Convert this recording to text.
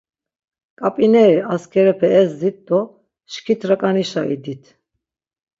Ǩap̌ineri askerepe ezdit do şkit raǩanişa idit.